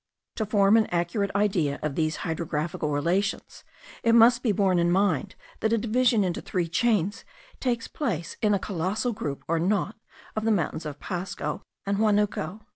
To form an accurate idea of these hydrographical relations, it must be borne in mind that a division into three chains takes place in the colossal group or knot of the mountains of Pasco and Huanuco.